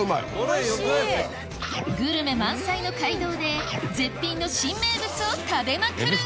グルメ満載の街道で絶品の新名物を食べまくる！